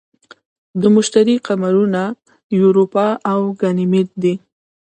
د مشتری قمرونه یوروپا او ګانیمید دي.